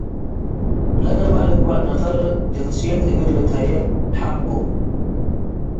ለገብአ ልግበእ ነፈር ጅንስየት እግል ልትሀየብ ሐቅ ቡ።